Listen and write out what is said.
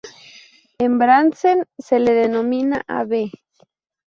En Brandsen se la denomina Av.